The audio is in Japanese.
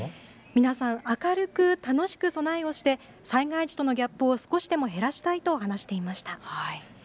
皆さん、明るく楽しく備えをして災害時とのギャップを少しでも減らしたいと話していました。